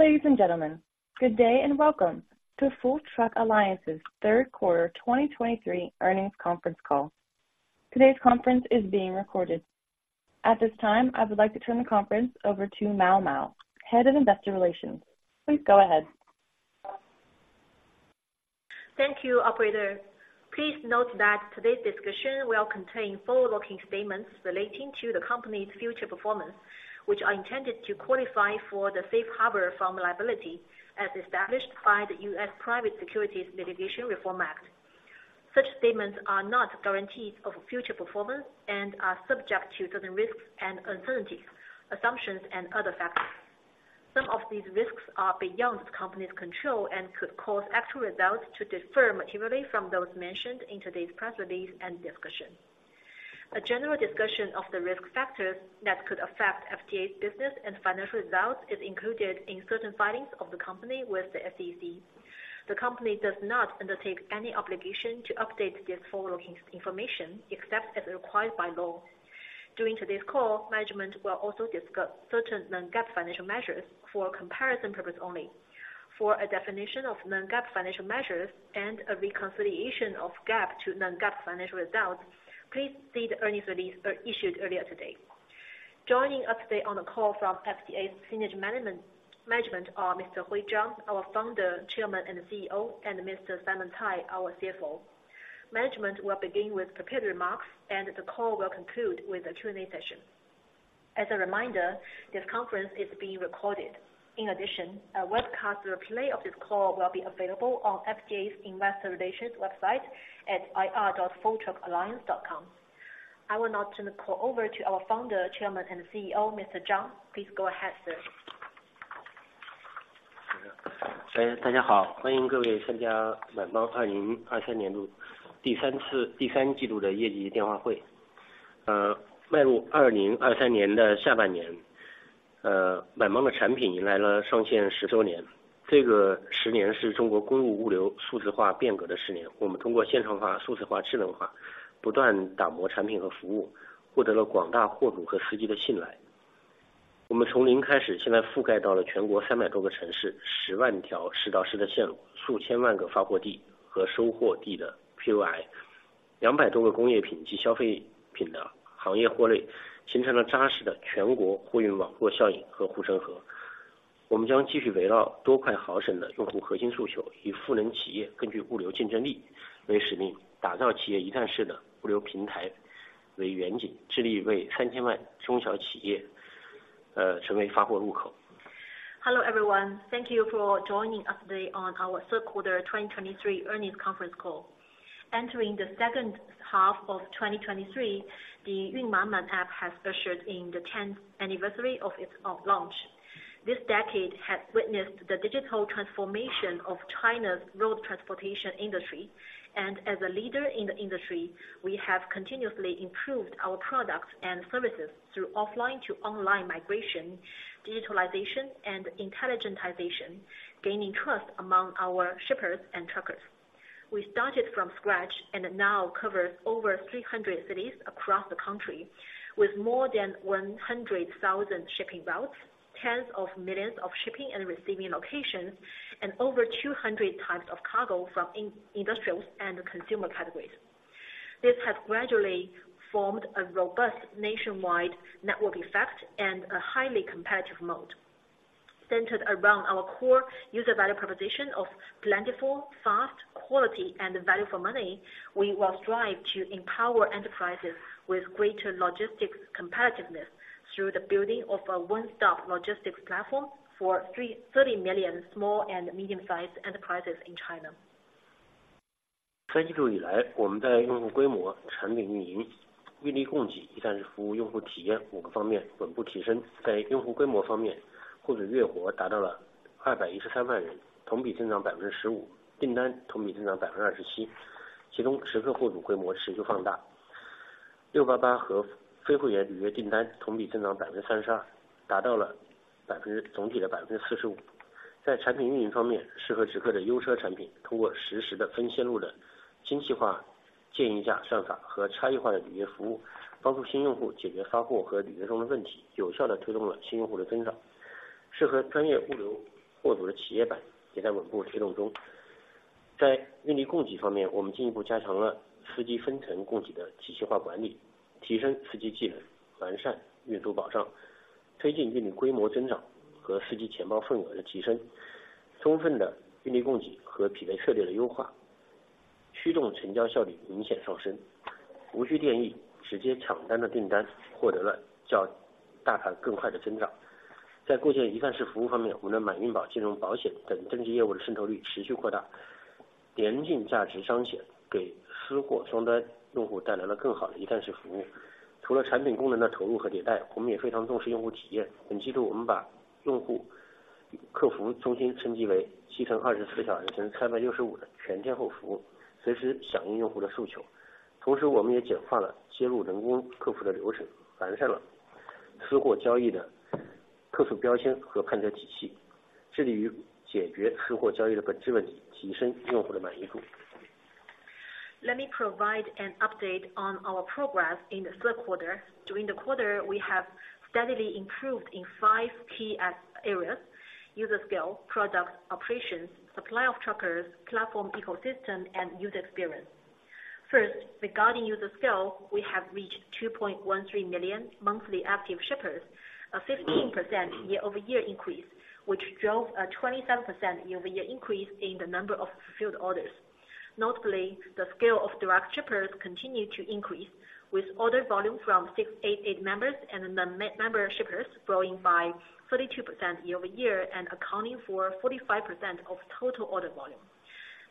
Ladies and gentlemen, good day and welcome to Full Truck Alliance's third quarter 2023 earnings conference call. Today's conference is being recorded. At this time, I would like to turn the conference over to Mao Mao, Head of Investor Relations. Please go ahead. Thank you, operator. Please note that today's discussion will contain forward-looking statements relating to the company's future performance, which are intended to qualify for the safe harbor from liability as established by the U.S. Private Securities Litigation Reform Act. Such statements are not guarantees of future performance and are subject to certain risks and uncertainties, assumptions, and other factors. Some of these risks are beyond the company's control and could cause actual results to differ materially from those mentioned in today's press release and discussion. A general discussion of the risk factors that could affect FTA's business and financial results is included in certain filings of the company with the SEC. The company does not undertake any obligation to update this forward-looking information except as required by law. During today's call, management will also discuss certain non-GAAP financial measures for comparison purposes only. For a definition of non-GAAP financial measures and a reconciliation of GAAP to non-GAAP financial results, please see the earnings release issued earlier today. Joining us today on the call from FTA's senior management are Mr. Hui Zhang, our Founder, Chairman, and CEO, and Mr. Simon Cai, our CFO. Management will begin with prepared remarks, and the call will conclude with a Q&A session. As a reminder, this conference is being recorded. In addition, a webcast replay of this call will be available on FTA's Investor Relations website at ir.fulltruckalliance.com. I will now turn the call over to our Founder, Chairman, and CEO, Mr. Zhang. Please go ahead, sir. 大家好，欢迎各位参加满帮2023年度第三季度业绩电话会。迈入2023年的下半年， Hello, everyone. Thank you for joining us today on our third quarter 2023 earnings conference call. Entering the second half of 2023, the Yunmanman App has ushered in the 10th anniversary of its launch. This decade has witnessed the digital transformation of China's road transportation industry, and as a leader in the industry, we have continuously improved our products and services through offline to online migration, digitalization, and intelligentization, gaining trust among our shippers and truckers. We started from scratch and now cover over 300 cities across the country, with more than 100,000 shipping routes, tens of millions of shipping and receiving locations, and over 200 types of cargo from industrial and consumer categories. This has gradually formed a robust nationwide network effect and a highly competitive mode. Centered around our core user value proposition of plentiful, fast, quality, and value for money, we will strive to empower enterprises with greater logistics competitiveness through the building of a one-stop logistics platform for 30 million small and medium-sized enterprises in China. ...Let me provide an update on our progress in the third quarter. During the quarter, we have steadily improved in five key areas: user scale, product operations, supply of truckers, platform ecosystem, and user experience. First, regarding user scale, we have reached 2.13 million monthly active shippers, a 15% year-over-year increase, which drove a 27% year-over-year increase in the number of fulfilled orders. Notably, the scale of direct shippers continued to increase, with order volume from 688 members and 1688 membership shippers growing by 32% year-over-year and accounting for 45% of total order volume.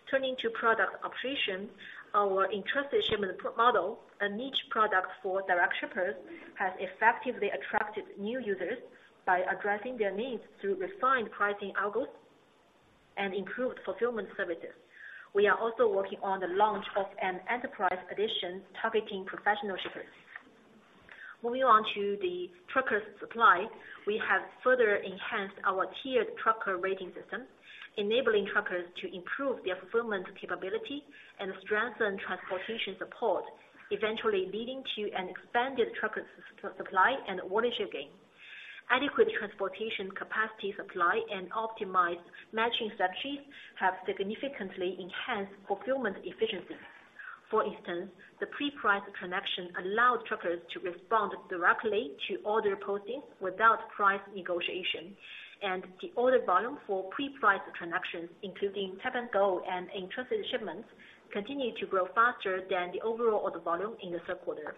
Turning to product operations, our entrusted shipment model, a niche product for direct shippers, has effectively attracted new users by addressing their needs through refined pricing algorithms and improved fulfillment services. We are also working on the launch of an enterprise edition targeting professional shippers. Moving on to the trucker supply, we have further enhanced our tiered trucker rating system, enabling truckers to improve their fulfillment capability and strengthen transportation support, eventually leading to an expanded trucker supply and ownership gain. Adequate transportation capacity supply and optimized matching strategies have significantly enhanced fulfillment efficiency. For instance, the pre-priced connection allowed truckers to respond directly to order postings without price negotiation, and the order volume for pre-priced transactions, including Tap and Go and entrusted shipments, continued to grow faster than the overall order volume in the third quarter.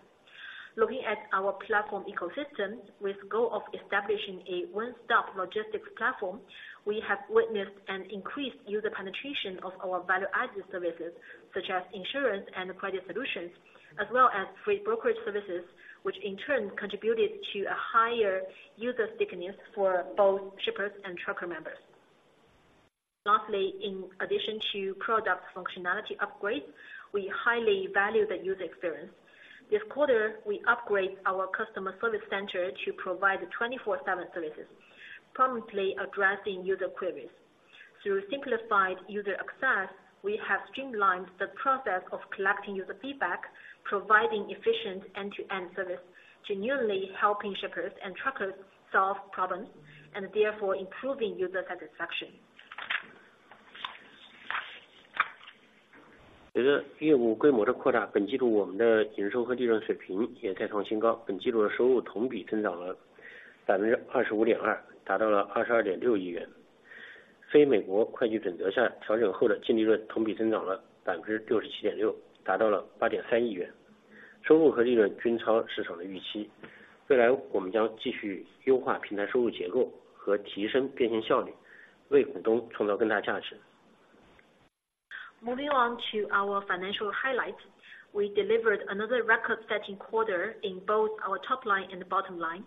Looking at our platform ecosystem, with goal of establishing a one-stop logistics platform, we have witnessed an increased user penetration of our value-added services, such as insurance and credit solutions, as well as freight brokerage services, which in turn contributed to a higher user thickness for both shippers and trucker members. Lastly, in addition to product functionality upgrades, we highly value the user experience. This quarter, we upgrade our customer service center to provide 24/7 services, promptly addressing user queries. Through simplified user access, we have streamlined the process of collecting user feedback, providing efficient end-to-end service, genuinely helping shippers and truckers solve problems, and therefore improving user satisfaction. Moving on to our financial highlights. We delivered another record-setting quarter in both our top line and the bottom line,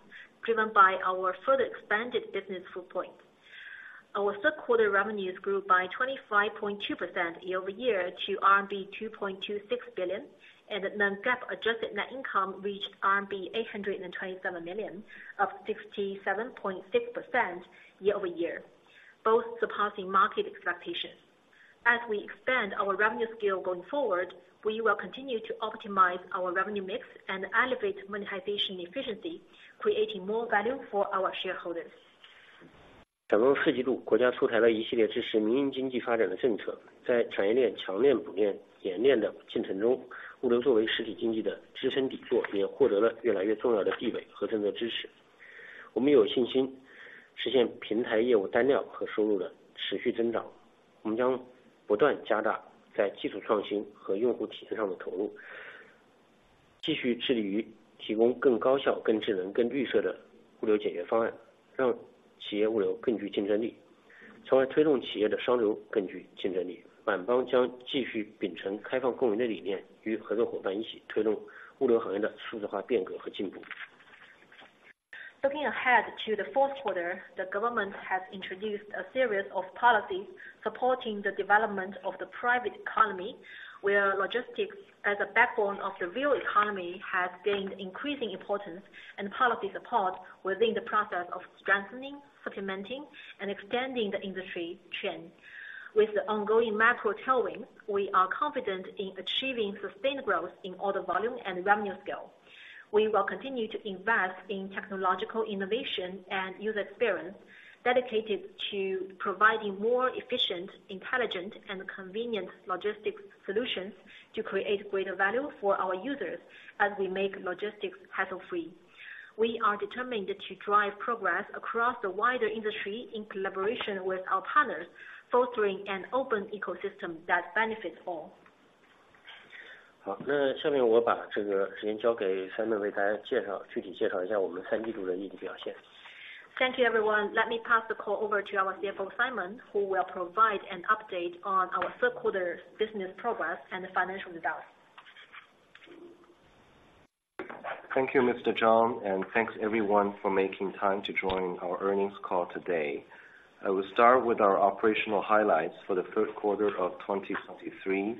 driven by our further expanded business footprint. Our third quarter revenues grew by 25.2% year-over-year to RMB 2.26 billion, and the Non-GAAP adjusted net income reached RMB 827 million, up 67.6% year-over-year, both surpassing market expectations. As we expand our revenue scale going forward, we will continue to optimize our revenue mix and elevate monetization efficiency, creating more value for our shareholders. Looking ahead to the fourth quarter, the government has introduced a series of policies supporting the development of the private economy, where logistics as a backbone of the real economy, has gained increasing importance and policy support within the process of strengthening, supplementing, and extending the industry trend. With the ongoing macro tailwind, we are confident in achieving sustained growth in order volume and revenue scale. We will continue to invest in technological innovation and user experience, dedicated to providing more efficient, intelligent, and convenient logistics solutions to create greater value for our users as we make logistics hassle-free. We are determined to drive progress across the wider industry in collaboration with our partners, fostering an open ecosystem that benefits all. Thank you, everyone. Let me pass the call over to our CFO, Simon, who will provide an update on our third quarter business progress and financial results. Thank you, Mr. Zhang, and thanks everyone for making time to join our earnings call today. I will start with our operational highlights for the third quarter of 2023,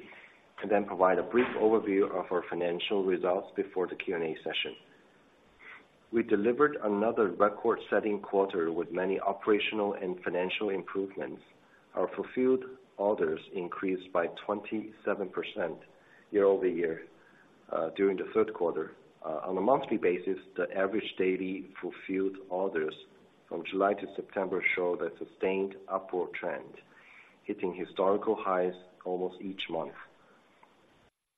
and then provide a brief overview of our financial results before the Q&A session... We delivered another record-setting quarter with many operational and financial improvements. Our fulfilled orders increased by 27% year-over-year during the third quarter. On a monthly basis, the average daily fulfilled orders from July to September show the sustained upward trend, hitting historical highs almost each month.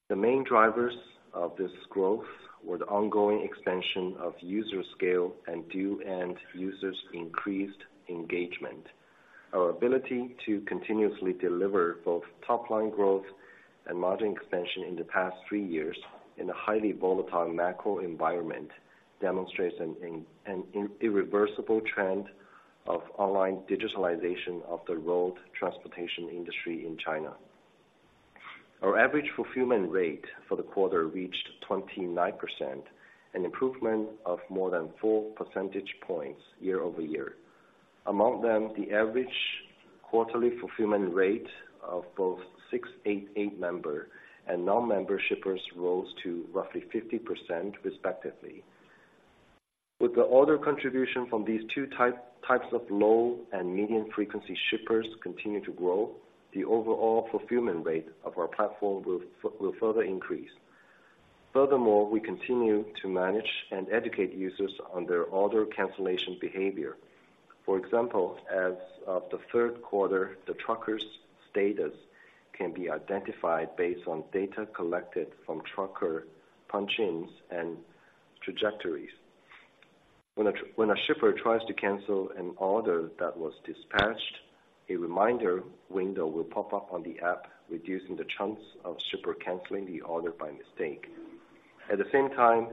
The main drivers of this growth were the ongoing expansion of user scale and due end users increased engagement. Our ability to continuously deliver both top line growth and margin expansion in the past three years in a highly volatile macro environment demonstrates an irreversible trend of online digitalization of the road transportation industry in China. Our average fulfillment rate for the quarter reached 29%, an improvement of more than four percentage points year-over-year. Among them, the average quarterly fulfillment rate of both 688 member and non-member shippers rose to roughly 50% respectively. With the order contribution from these two types of low and medium frequency shippers continue to grow, the overall fulfillment rate of our platform will further increase. Furthermore, we continue to manage and educate users on their order cancellation behavior. For example, as of the third quarter, the trucker's status can be identified based on data collected from trucker punch ins and trajectories. When a shipper tries to cancel an order that was dispatched, a reminder window will pop up on the app, reducing the chance of shipper canceling the order by mistake. At the same time,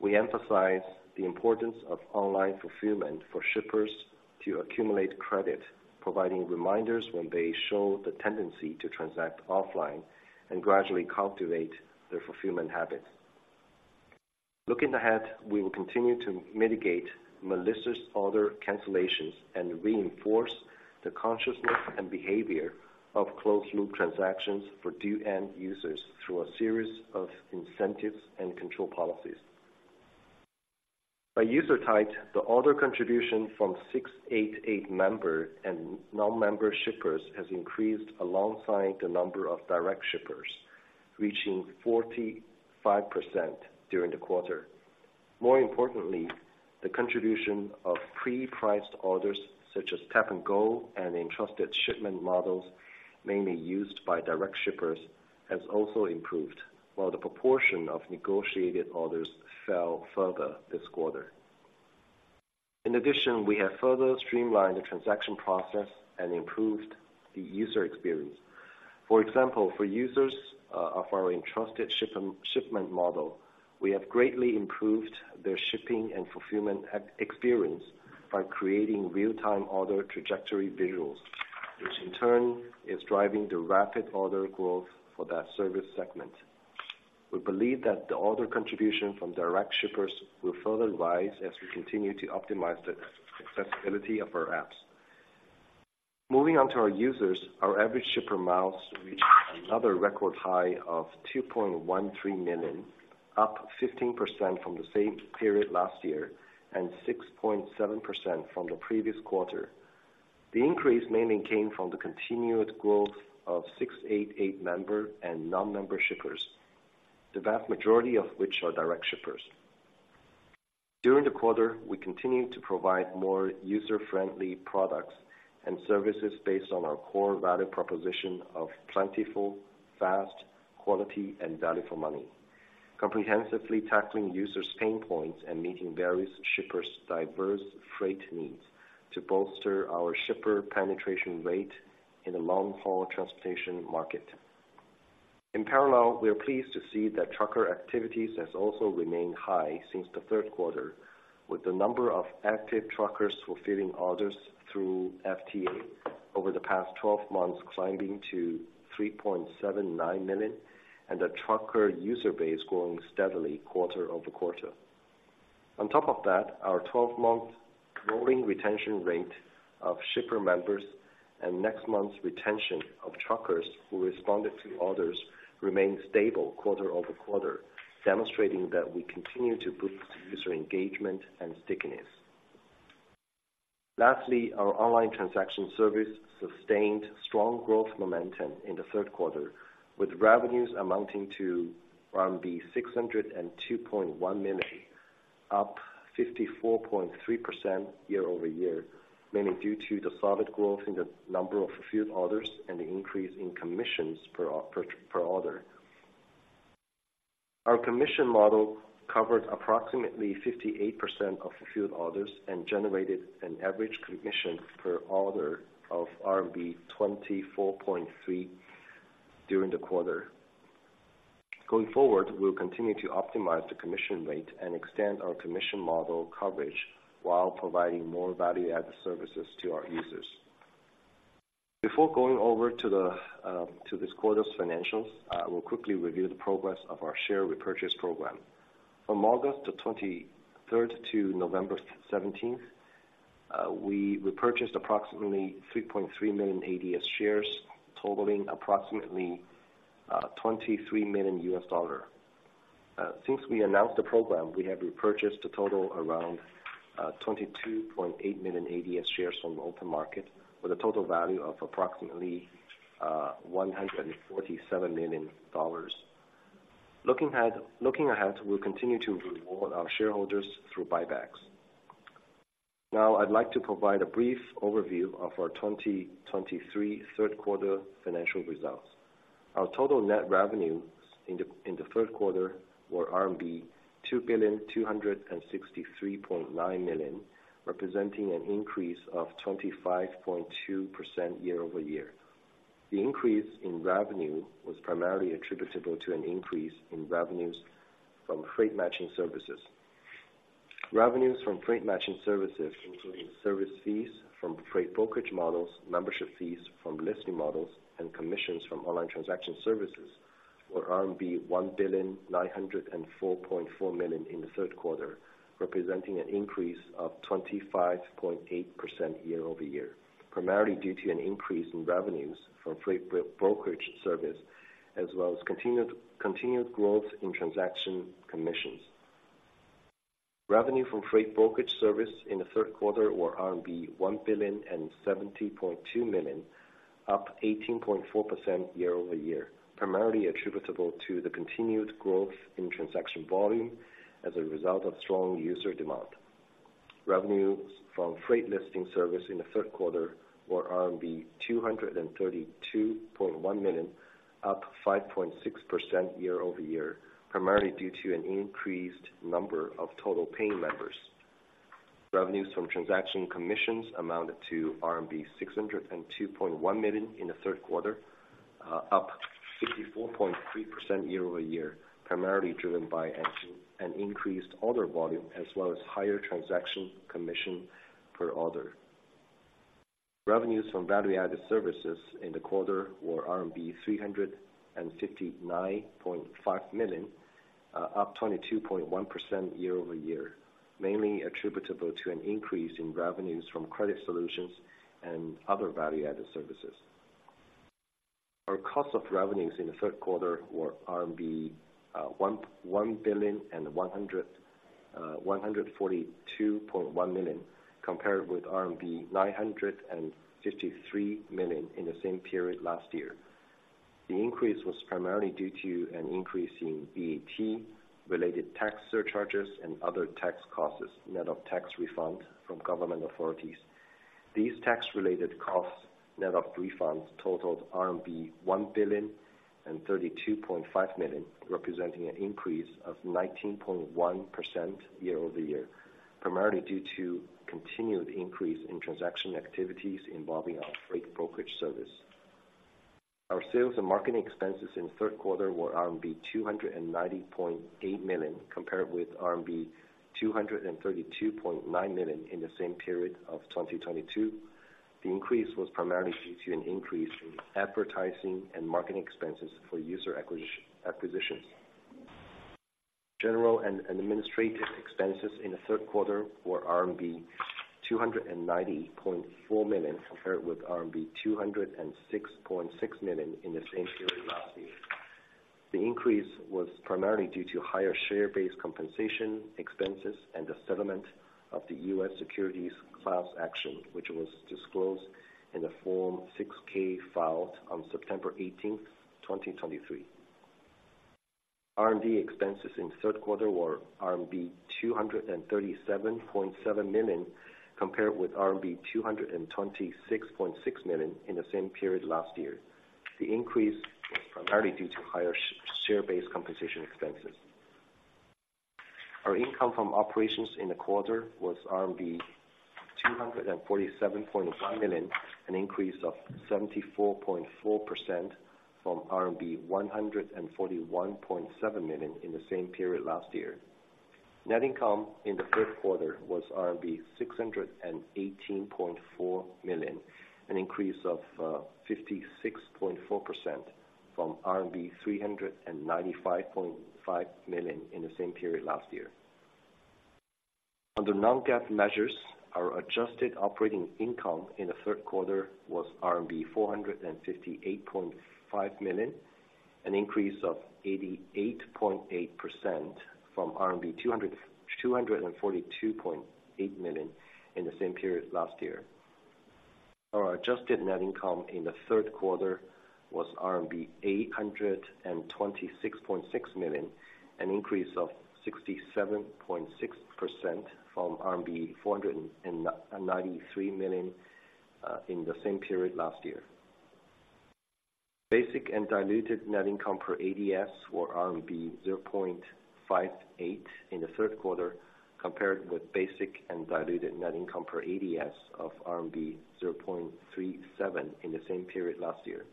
we emphasize the importance of online fulfillment for shippers to accumulate credit, providing reminders when they show the tendency to transact offline and gradually cultivate their fulfillment habit. Looking ahead, we will continue to mitigate malicious order cancellations and reinforce the consciousness and behavior of closed loop transactions for due end users through a series of incentives and control policies. By user type, the order contribution from 688 member and non-member shippers has increased alongside the number of direct shippers, reaching 45% during the quarter. More importantly, the contribution of pre-priced orders, such as Tap and Go, and entrusted shipment models, mainly used by direct shippers, has also improved, while the proportion of negotiated orders fell further this quarter. In addition, we have further streamlined the transaction process and improved the user experience. For example, for users of our entrusted shipment model, we have greatly improved their shipping and fulfillment experience by creating real-time order trajectory visuals, which in turn is driving the rapid order growth for that service segment. We believe that the order contribution from direct shippers will further rise as we continue to optimize the accessibility of our apps. Moving on to our users, our average shipper miles reached another record high of 2.13 million, up 15% from the same period last year, and 6.7% from the previous quarter. The increase mainly came from the continued growth of 688 member and non-member shippers, the vast majority of which are direct shippers. During the quarter, we continued to provide more user-friendly products and services based on our core value proposition of plentiful, fast, quality, and value for money. Comprehensively tackling users' pain points and meeting various shippers' diverse freight needs to bolster our shipper penetration rate in the long-haul transportation market. In parallel, we are pleased to see that trucker activities has also remained high since the third quarter, with the number of active truckers fulfilling orders through FTA over the past 12 months, climbing to 3.79 million, and the trucker user base growing steadily quarter-over-quarter. On top of that, our 12-month rolling retention rate of shipper members and next month's retention of truckers who responded to orders remains stable quarter-over-quarter, demonstrating that we continue to boost user engagement and stickiness. Lastly, our online transaction service sustained strong growth momentum in the third quarter, with revenues amounting to RMB 602.1 million, up 54.3% year-over-year, mainly due to the solid growth in the number of fulfilled orders and the increase in commissions per order. Our commission model covered approximately 58% of fulfilled orders and generated an average commission per order of RMB 24.3 during the quarter. Going forward, we'll continue to optimize the commission rate and extend our commission model coverage while providing more value-added services to our users. Before going over to the, to this quarter's financials, we'll quickly review the progress of our share repurchase program. From August 23 to November 17, we purchased approximately 3.3 million ADS shares, totaling approximately $23 million. Since we announced the program, we have repurchased a total around 22.8 million ADS shares from the open market, with a total value of approximately $147 million. Looking ahead, looking ahead, we'll continue to reward our shareholders through buybacks. Now, I'd like to provide a brief overview of our 2023 third quarter financial results. Our total net revenues in the, in the third quarter were RMB 2,263.9 million, representing an increase of 25.2% year-over-year. The increase in revenue was primarily attributable to an increase in revenues from freight matching services. Revenues from freight matching services, including service fees from freight brokerage models, membership fees from listing models, and commissions from online transaction services, were RMB 1,904.4 million in the third quarter, representing an increase of 25.8% year-over-year. Primarily due to an increase in revenues from freight brokerage service, as well as continued growth in transaction commissions. Revenue from freight brokerage service in the third quarter were RMB 1,070.2 million, up 18.4% year-over-year, primarily attributable to the continued growth in transaction volume as a result of strong user demand. Revenues from freight listing service in the third quarter were RMB 232.1 million, up 5.6% year-over-year, primarily due to an increased number of total paying members. Revenues from transaction commissions amounted to RMB 602.1 million in the third quarter, up 64.3% year-over-year, primarily driven by an increased order volume as well as higher transaction commission per order. Revenues from value-added services in the quarter were RMB 359.5 million, up 22.1% year-over-year, mainly attributable to an increase in revenues from credit solutions and other value-added services. Our cost of revenues in the third quarter were RMB 1,142.1 million, compared with RMB 953 million in the same period last year. The increase was primarily due to an increase in VAT-related tax surcharges and other tax costs, net of tax refunds from government authorities. These tax-related costs, net of refunds, totaled RMB 1.0325 billion, representing an increase of 19.1% year-over-year. Primarily due to continued increase in transaction activities involving our freight brokerage service. Our sales and marketing expenses in the third quarter were RMB 290.8 million, compared with RMB 232.9 million in the same period of 2022. The increase was primarily due to an increase in advertising and marketing expenses for user acquisition. General and administrative expenses in the third quarter were RMB 290.4 million, compared with RMB 206.6 million in the same period last year. The increase was primarily due to higher share-based compensation expenses and the settlement of the U.S. securities class action, which was disclosed in the Form 6-K filed on September eighteenth, 2023. R&D expenses in the third quarter were RMB 237.7 million, compared with RMB 226.6 million in the same period last year. The increase was primarily due to higher share-based compensation expenses. Our income from operations in the quarter was RMB 247.5 million, an increase of 74.4% from RMB 141.7 million in the same period last year. Net income in the third quarter was RMB 618.4 million, an increase of 56.4% from RMB 395.5 million in the same period last year. Under non-GAAP measures, our adjusted operating income in the third quarter was RMB 458.5 million, an increase of 88.8% from RMB 242.8 million in the same period last year. Our adjusted net income in the third quarter was RMB 826.6 million, an increase of 67.6% from RMB 493 million in the same period last year. Basic and diluted net income per ADS were RMB 0.58 in the third quarter, compared with basic and diluted net income per ADS of RMB 0.37 in the same period last year.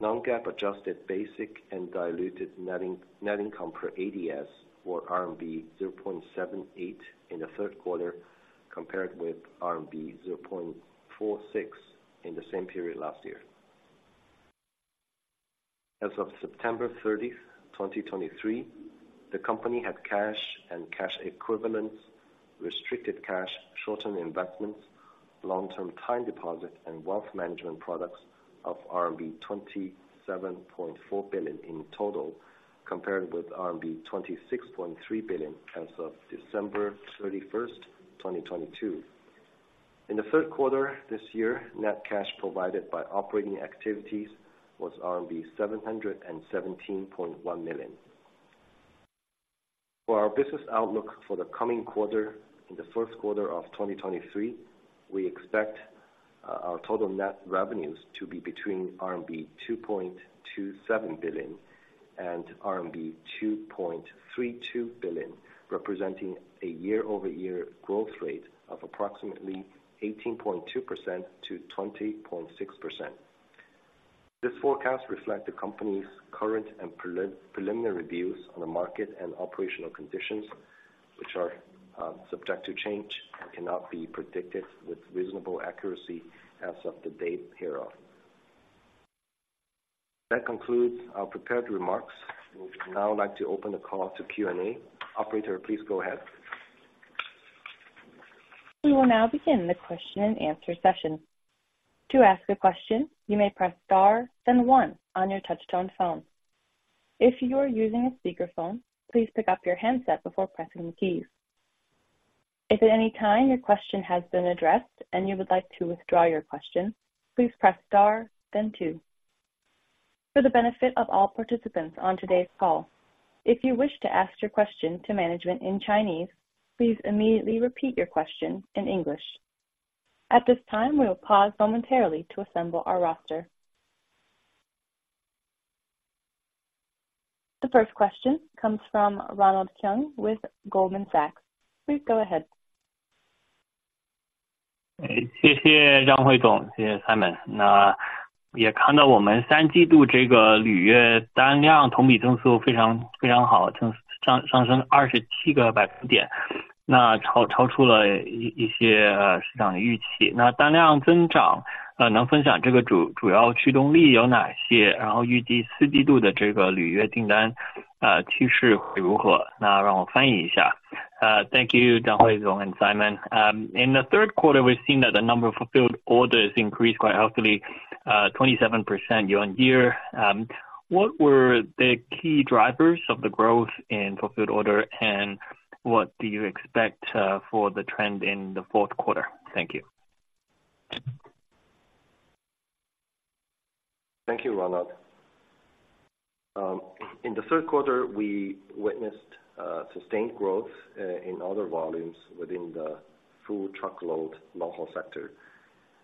Non-GAAP adjusted basic and diluted net income per ADS were RMB 0.78 in the third quarter, compared with RMB 0.46 in the same period last year. As of September 30, 2023, the company had cash and cash equivalents, restricted cash, short-term investments, long-term time deposits, and wealth management products of RMB 27.4 billion in total, compared with RMB 26.3 billion as of December 31, 2022. In the third quarter this year, net cash provided by operating activities was RMB 717.1 million. For our business outlook for the coming quarter, in the first quarter of 2023, we expect our total net revenues to be between RMB 2.27 billion and RMB 2.32 billion, representing a year-over-year growth rate of approximately 18.2% to 20.6%. This forecast reflect the company's current and preliminary views on the market and operational conditions, which are subject to change and cannot be predicted with reasonable accuracy as of the date hereof. That concludes our prepared remarks. We would now like to open the call to Q&A. Operator, please go ahead. We will now begin the question and answer session. To ask a question, you may press star then one on your touchtone phone. If you are using a speakerphone, please pick up your handset before pressing the keys. If at any time your question has been addressed and you would like to withdraw your question, please press star then two. For the benefit of all participants on today's call, if you wish to ask your question to management in Chinese, please immediately repeat your question in English. At this time, we will pause momentarily to assemble our roster. The first question comes from Ronald Keung with Goldman Sachs. Please go ahead. Thank you, Hui Zhang. Thank you, Simon. Thank you, Hui Zhang and Simon. In the third quarter, we've seen that the number of fulfilled orders increased quite healthily, 27% year-on-year. What were the key drivers of the growth in fulfilled order, and what do you expect for the trend in the fourth quarter? Thank you. Thank you, Ronald. In the third quarter, we witnessed sustained growth in order volumes within the full truckload long haul sector,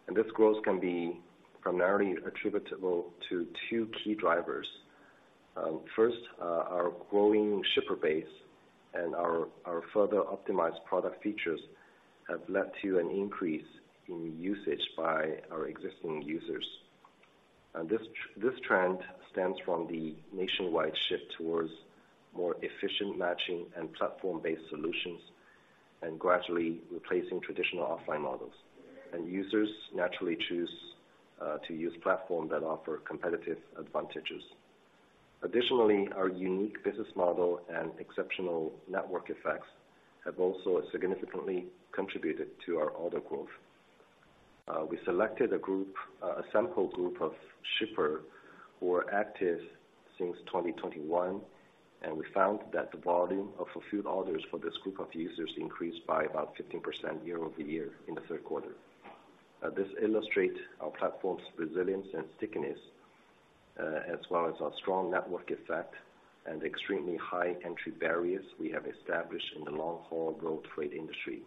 and this growth can be primarily attributable to two key drivers. First, our growing shipper base and our further optimized product features have led to an increase in usage by our existing users. And this trend stems from the nationwide shift towards more efficient matching and platform-based solutions, and gradually replacing traditional offline models. And users naturally choose to use platforms that offer competitive advantages. Additionally, our unique business model and exceptional network effects have also significantly contributed to our order growth. We selected a group, a sample group of shippers who are active since 2021, and we found that the volume of fulfilled orders for this group of users increased by about 15% year-over-year in the third quarter. This illustrate our platform's resilience and stickiness, as well as our strong network effect and extremely high entry barriers we have established in the long-haul road freight industry.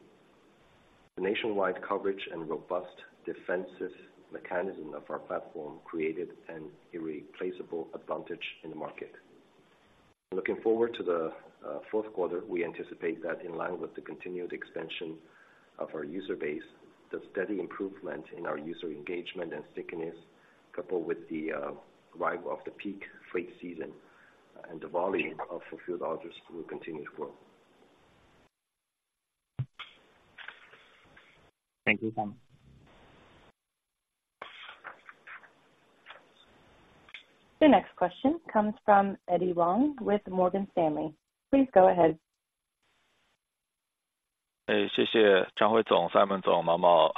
The nationwide coverage and robust defensive mechanism of our platform created an irreplaceable advantage in the market. Looking forward to the fourth quarter, we anticipate that in line with the continued expansion of our user base, the steady improvement in our user engagement and stickiness, coupled with the arrival of the peak freight season, and the volume of fulfilled orders will continue to grow. Thank you, Simon. The next question comes from Eddie Wong with Morgan Stanley. Please go ahead. Thank you, Hui Zhang, Simon Cai, Mao Mao.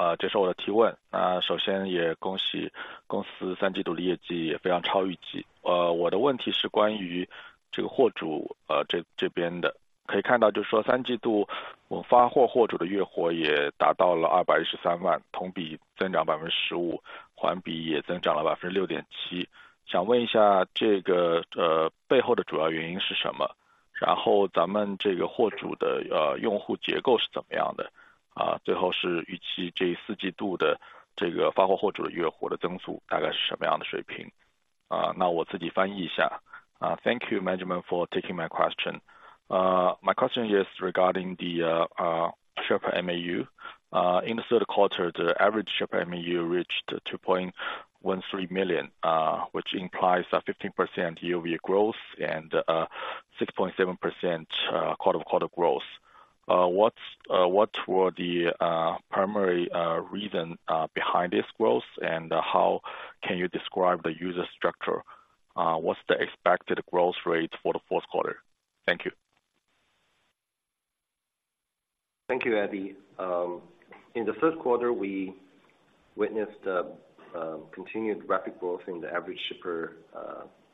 This is my question. Thank you, management, for taking my question. My question is regarding the shipper MAU. In the third quarter, the average shipper MAU reached 2.13 million, which implies a 15% year-over-year growth and 6.7% quarter-over-quarter growth. What is the primary reason behind this growth? And how can you describe the user structure? What is the expected growth rate for the fourth quarter? Thank you. Thank you, Eddie. In the first quarter, we witnessed a continued rapid growth in the average shipper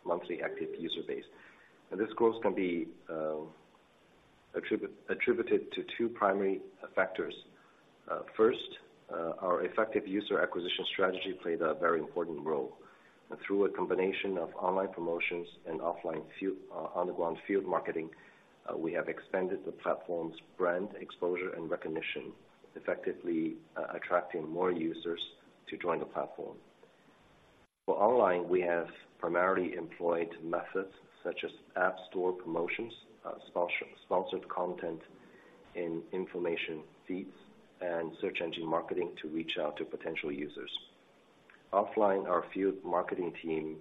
monthly active user base. This growth can be attributed to two primary factors. First, our effective user acquisition strategy played a very important role. Through a combination of online promotions and offline on-the-ground field marketing, we have expanded the platform's brand exposure and recognition, effectively attracting more users to join the platform. For online, we have primarily employed methods such as app store promotions, sponsored content in information feeds and search engine marketing to reach out to potential users. Offline, our field marketing teams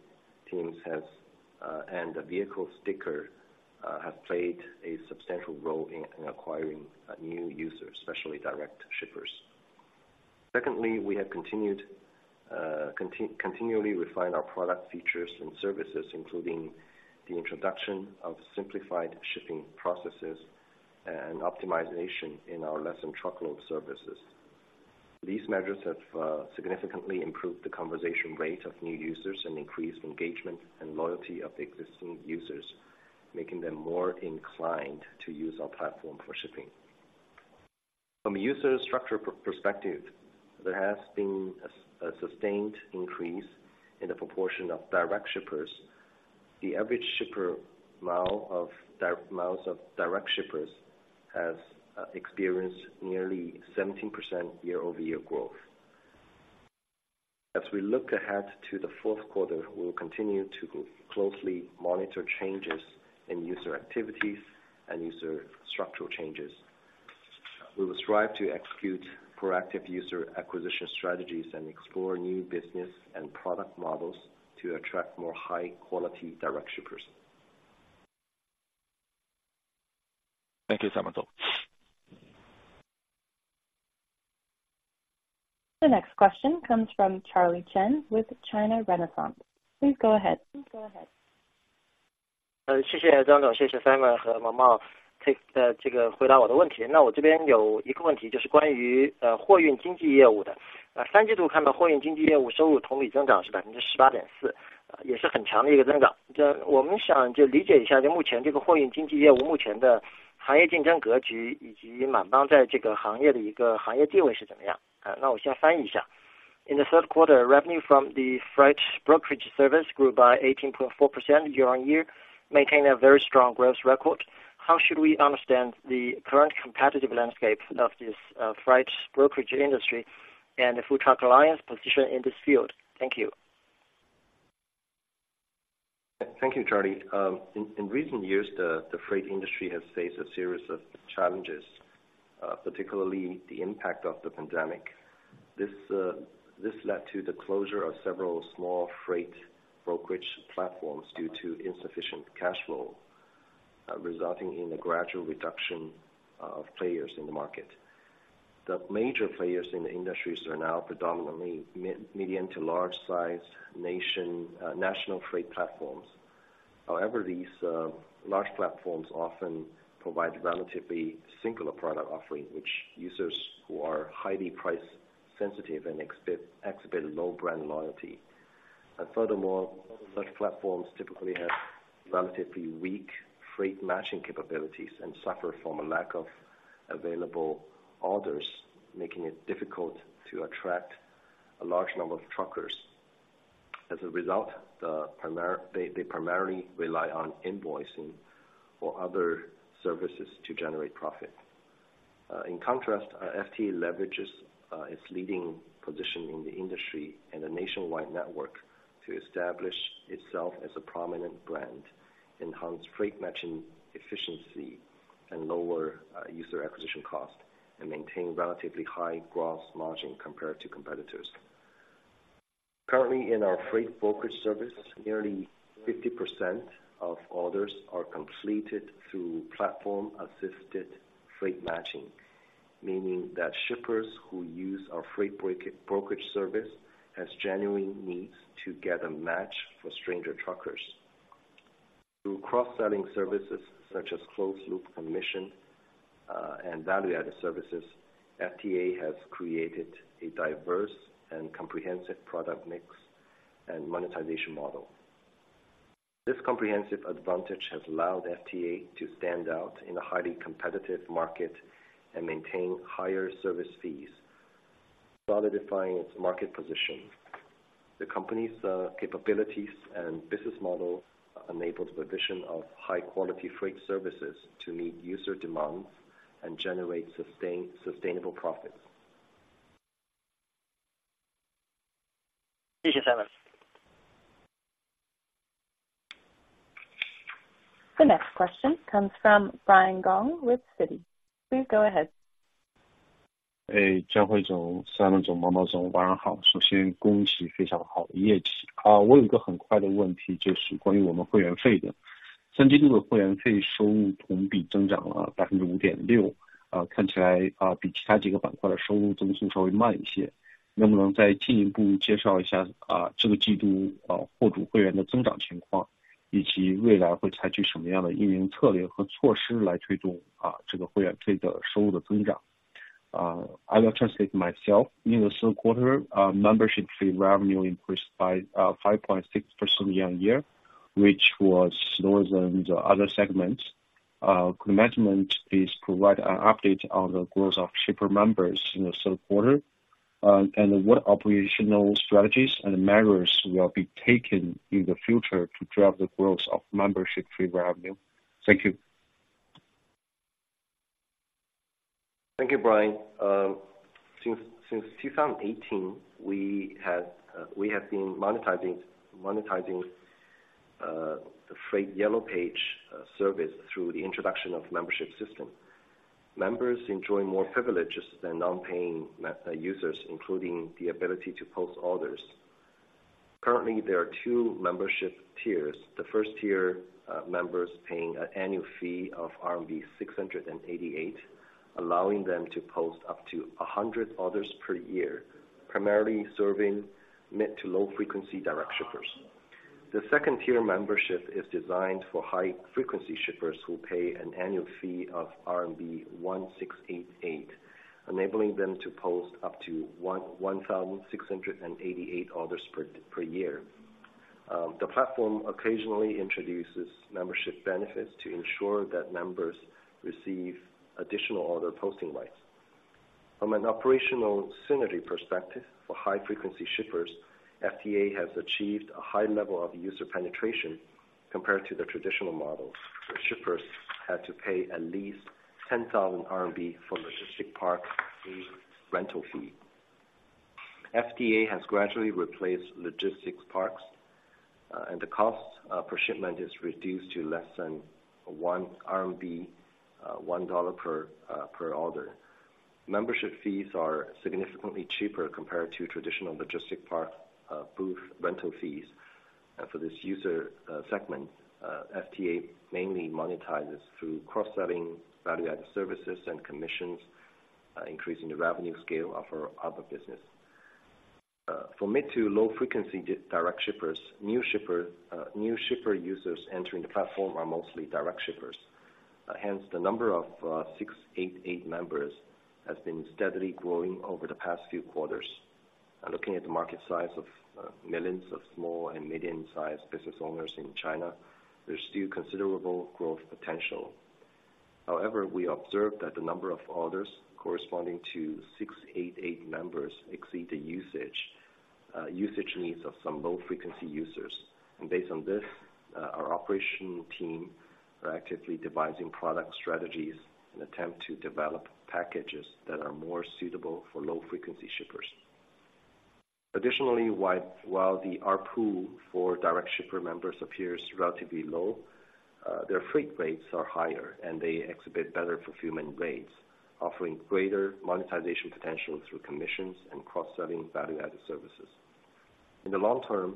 and vehicle stickers have played a substantial role in acquiring new users, especially direct shippers. Secondly, we have continued continually refine our product features and services, including the introduction of simplified shipping processes and optimization in our less-than-truckload services. These measures have significantly improved the conversion rate of new users and increased engagement and loyalty of the existing users, making them more inclined to use our platform for shipping. From a user structure perspective, there has been a sustained increase in the proportion of direct shippers. The average shipper miles of direct shippers has experienced nearly 17% year-over-year growth. As we look ahead to the fourth quarter, we will continue to closely monitor changes in user activities and user structural changes. We will strive to execute proactive user acquisition strategies and explore new business and product models to attract more high-quality direct shippers. Thank you, Simon, sir. The next question comes from Charlie Chen with China Renaissance. Please go ahead. In the third quarter, revenue from the freight brokerage service grew by 18.4% year-on-year, maintaining a very strong growth record. How should we understand the current competitive landscape of this, freight brokerage industry and the Full Truck Alliance position in this field? Thank you. Thank you, Charlie. In recent years, the freight industry has faced a series of challenges, particularly the impact of the pandemic. This led to the closure of several small freight brokerage platforms due to insufficient cash flow, resulting in a gradual reduction of players in the market. The major players in the industries are now predominantly medium to large-sized national freight platforms. However, these large platforms often provide relatively singular product offering, which users who are highly price sensitive and exhibit low brand loyalty. And furthermore, such platforms typically have relatively weak freight matching capabilities and suffer from a lack of available orders, making it difficult to attract a large number of truckers. As a result, they primarily rely on invoicing or other services to generate profit. In contrast, our FTA leverages its leading position in the industry and a nationwide network to establish itself as a prominent brand, enhance freight matching efficiency and lower user acquisition cost, and maintain relatively high gross margin compared to competitors. Currently, in our freight brokerage service, nearly 50% of orders are completed through platform-assisted freight matching, meaning that shippers who use our freight brokerage service has genuine needs to get a match for stranger truckers. Through cross-selling services, such as closed-loop commission and value-added services, FTA has created a diverse and comprehensive product mix and monetization model. This comprehensive advantage has allowed FTA to stand out in a highly competitive market and maintain higher service fees, solidifying its market position. The company's capabilities and business model enabled the provision of high-quality freight services to meet user demands and generate sustainable profits. Thank you, Simon. The next question comes from Brian Gong with Citi. Please go ahead. ... Hey, Hui Zhang, Simon Cai, Mao Mao, well, good afternoon. First, congratulations on the very good results. I have a very quick question, which is about our membership fees. Third quarter membership fee revenue increased by 5.6% year-on-year, it seems, compared to the other segments, the revenue growth was slightly slower. Can you further introduce the growth situation of our members this quarter, and what kind of operational strategies and measures will be adopted in the future to promote the growth of this membership fee revenue? I will translate myself. In the third quarter, membership fee revenue increased by 5.6% year-on-year, which was lower than the other segments. Could management please provide an update on the growth of shipper members in the third quarter, and what operational strategies and measures will be taken in the future to drive the growth of membership fee revenue? Thank you. Thank you, Brian. Since 2018, we have been monetizing the Freight Yellow Page service through the introduction of membership system. Members enjoy more privileges than non-paying users, including the ability to post orders. Currently, there are two membership tiers. The first tier members paying an annual fee of RMB 688, allowing them to post up to 100 orders per year, primarily serving mid to low-frequency direct shippers. The second tier membership is designed for high-frequency shippers who pay an annual fee of RMB 1,688, enabling them to post up to 1,688 orders per year. The platform occasionally introduces membership benefits to ensure that members receive additional order posting rights. From an operational synergy perspective, for high-frequency shippers, FTA has achieved a high level of user penetration compared to the traditional models, where shippers had to pay at least 10,000 RMB for logistics park fee rental fee. FTA has gradually replaced logistics parks, and the cost per shipment is reduced to less than 1 RMB, $1 per order. Membership fees are significantly cheaper compared to traditional logistics park booth rental fees. For this user segment, FTA mainly monetizes through cross-selling value-added services and commissions, increasing the revenue scale of our other business. For mid- to low-frequency direct shippers, new shipper users entering the platform are mostly direct shippers. Hence, the number of 688 members has been steadily growing over the past few quarters. Looking at the market size of millions of small and medium-sized business owners in China, there's still considerable growth potential. However, we observed that the number of orders corresponding to 688 members exceed the usage needs of some low-frequency users. Based on this, our operational team are actively devising product strategies in attempt to develop packages that are more suitable for low-frequency shippers. Additionally, while the ARPU for direct shipper members appears relatively low, their freight rates are higher, and they exhibit better fulfillment rates, offering greater monetization potential through commissions and cross-selling value-added services. In the long term,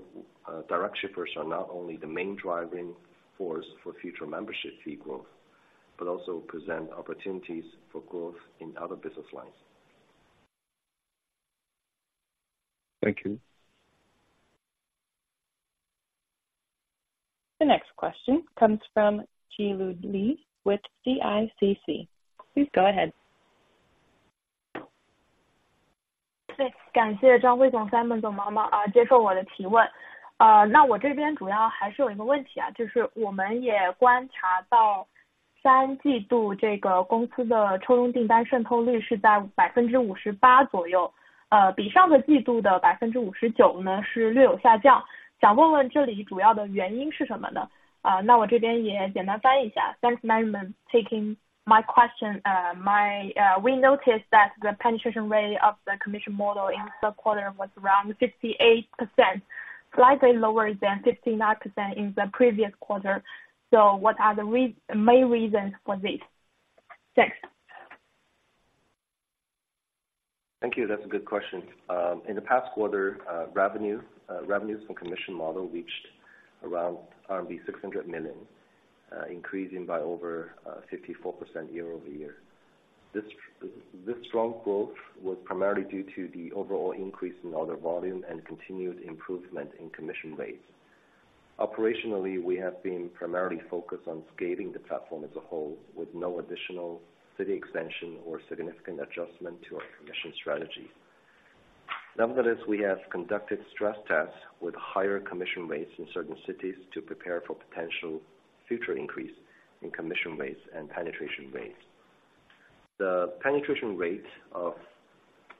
direct shippers are not only the main driving force for future membership fee growth, but also present opportunities for growth in other business lines. Thank you. The next question comes from Qilu Li with CICC. Please go ahead. 感谢张辉总，Simon总，毛毛啊，接受我的提问。那我这边主要还是有一个问题啊，就是我们也观察到第三季度这个公司的抽佣订单渗透率是在58%左右，比上个季度的59%，是略有下降。想问问这里主要的原因是什么呢？那我这边也简单翻译一下。Thanks, management, taking my question. We noticed that the penetration rate of the commission model in the third quarter was around 58%, slightly lower than 59% in the previous quarter. So what are the main reasons for this? Thanks. Thank you. That's a good question. In the past quarter, revenues from commission model reached around RMB 600 million, increasing by over 54% year-over-year. This strong growth was primarily due to the overall increase in order volume and continued improvement in commission rates. Operationally, we have been primarily focused on scaling the platform as a whole, with no additional city expansion or significant adjustment to our commission strategy. Nevertheless, we have conducted stress tests with higher commission rates in certain cities to prepare for potential future increase in commission rates and penetration rates. The penetration rate of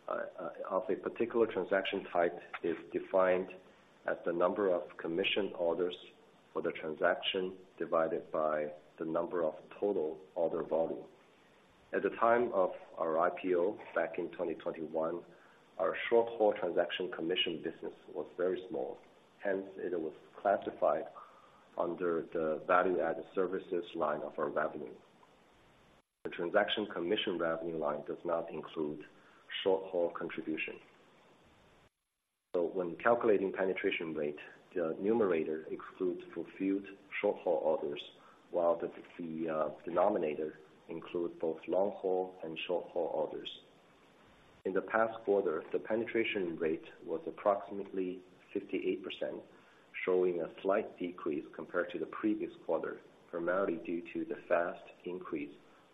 a particular transaction type is defined as the number of commission orders for the transaction divided by the number of total order volume. At the time of our IPO back in 2021, our short-haul transaction commission business was very small, hence it was classified under the value-added services line of our revenue. The transaction commission revenue line does not include short-haul contribution. So when calculating penetration rate, the numerator excludes fulfilled short-haul orders, while the denominator include both long-haul and short-haul orders. In the past quarter, the penetration rate was approximately 58%, showing a slight decrease compared to the previous quarter, primarily due to the fast increase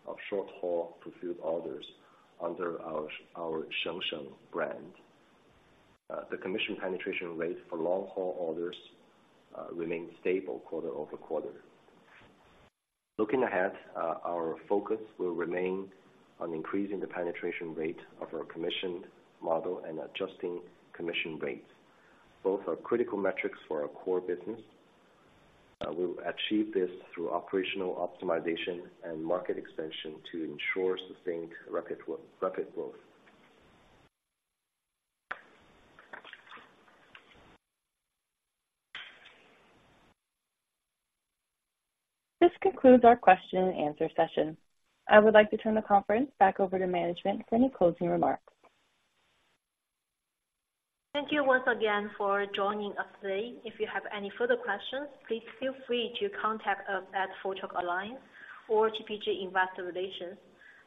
of short-haul fulfilled orders under our Shengshen brand. The commission penetration rate for long-haul orders remained stable quarter-over-quarter. Looking ahead, our focus will remain on increasing the penetration rate of our commission model and adjusting commission rates. Both are critical metrics for our core business. We'll achieve this through operational optimization and market expansion to ensure sustained rapid growth. This concludes our question and answer session. I would like to turn the conference back over to management for any closing remarks. Thank you once again for joining us today. If you have any further questions, please feel free to contact us at Full Truck Alliance or TPG Investor Relations.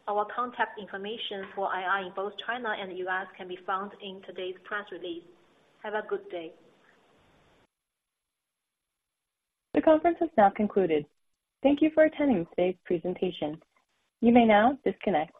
Our contact information for IR in both China and the U.S. can be found in today's press release. Have a good day. The conference is now concluded. Thank you for attending today's presentation. You may now disconnect.